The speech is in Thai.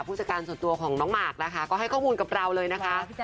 ผู้จัดการส่วนตัวของน้องหมากนะคะก็ให้ข้อมูลกับเราเลยนะคะ